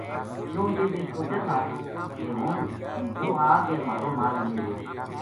کیوں جے ویہ سوچے تھا جے ہن یوہ آ کے مھارو مال لیے گو